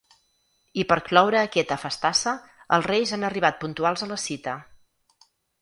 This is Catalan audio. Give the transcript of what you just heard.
I per cloure aquesta festassa els reis han arribat puntuals a la cita.